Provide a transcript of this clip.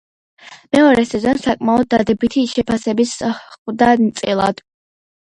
მეორე სეზონს საკმაოდ დადებითი შეფასებები ჰხვდა წილად.